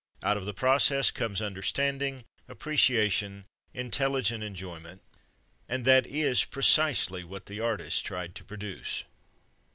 Out of the process comes understanding, appreciation, intelligent enjoyment—and that is precisely what the artist tried to produce.